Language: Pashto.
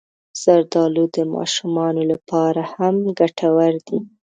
زردالو د ماشومانو لپاره هم ګټور دی.